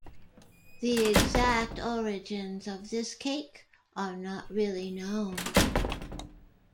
The exact origins of this cake are not really known.